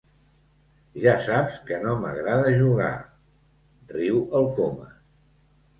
Ja saps que no m'agrada jugar —riu el Comas.